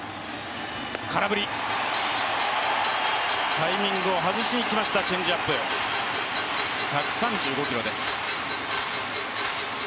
タイミングを外しに来ました、チェンジアップ１３５キロです。